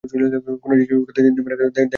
কোন জিনিষ ওঠাতে দেবে না, দেখবার জিনিষও বড় নেই।